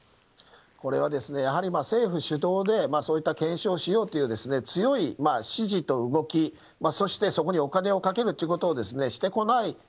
これはやはり政府主導でそういった検証をしようという強い指示と動きそして、そこにお金をかけるということをしてこない。